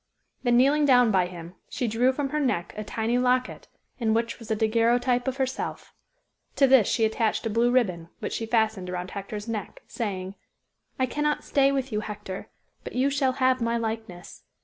Then kneeling down by him, she drew from her neck a tiny locket, in which was a daguerreotype of herself. To this she attached a blue ribbon, which she fastened around Hector's neck, saying, "I cannot stay with you, Hector, but you shall have my likeness."